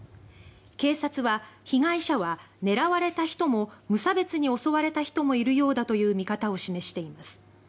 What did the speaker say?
警察は被害者は、狙われた人も無差別に襲われた人もいるようだという見方を示しています。